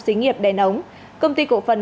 xí nghiệp đèn ống công ty cổ phần